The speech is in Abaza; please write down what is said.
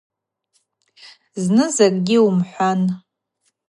Зны закӏгьи уымхӏван.